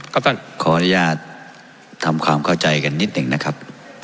ก็ต้องขออนุญาตทำความเข้าใจกันนิดหนึ่งนะครับ